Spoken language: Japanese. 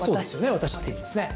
私っていう意味ですね。